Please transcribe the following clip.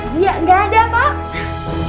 zia gak ada apa apa